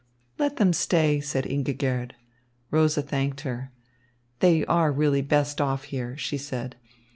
"Let them stay," said Ingigerd. Rosa thanked her. "They are really best off here," she said.